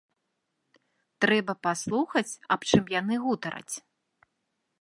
Трэба паслухаць, аб чым яны гутараць?